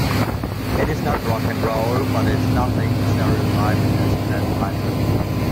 It is not rock and roll, but it's nothing stereotyped as jazz either.